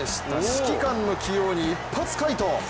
指揮官の起用に一発回答。